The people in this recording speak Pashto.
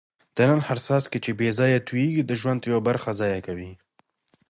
د نل هر څاڅکی چي بې ځایه تویېږي د ژوند یوه برخه ضایع کوي.